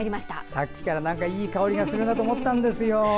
さっきからいい香りがするなと思っていたんですよ。